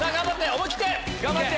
思い切って！